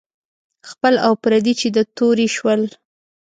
خپل او پردي چې د تورې شول.